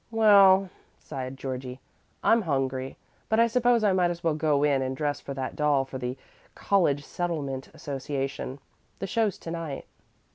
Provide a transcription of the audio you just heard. "Well," sighed Georgie, "I'm hungry, but I suppose I might as well go in and dress that doll for the College Settlement Association. The show's to night."